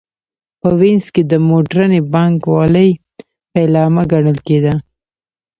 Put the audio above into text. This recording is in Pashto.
په وینز کې د موډرنې بانک والۍ پیلامه ګڼل کېده